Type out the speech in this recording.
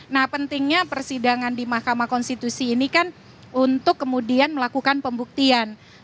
nah pentingnya persidangan di mahkamah konstitusi ini kan untuk kemudian melakukan pembuktian